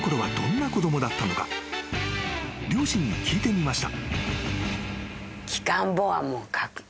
［両親に聞いてみました］